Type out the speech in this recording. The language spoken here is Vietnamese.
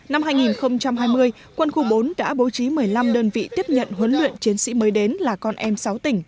năm hai nghìn hai mươi quân khu bốn đã bố trí một mươi năm đơn vị tiếp nhận huấn luyện chiến sĩ mới đến là con em sáu tỉnh